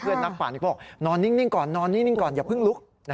เพื่อนนักปั่นนี่เขาบอกนอนนิ่งก่อนอย่าเพิ่งลุก